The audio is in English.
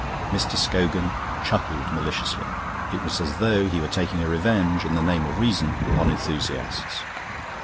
Mr. Scogan chuckled maliciously; it was as though he were taking a revenge, in the name of reason, on enthusiasts.